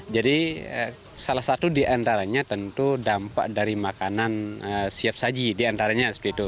jadi salah satu di antaranya tentu dampak dari makanan siap saji di antaranya